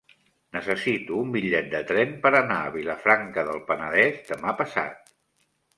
Necessito un bitllet de tren per anar a Vilafranca del Penedès demà passat.